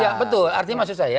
ya betul artinya maksud saya